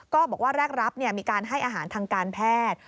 ก็บอกว่าแรกรับมีการให้อาหารทางการแพทย์